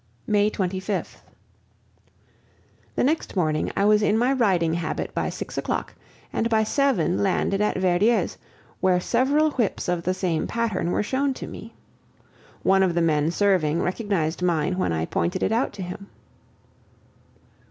May 25th. The next morning I was in my riding habit by six o'clock, and by seven landed at Verdier's, where several whips of the same pattern were shown to me. One of the men serving recognized mine when I pointed it out to him.